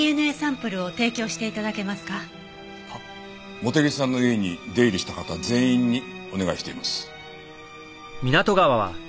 茂手木さんの家に出入りした方全員にお願いしています。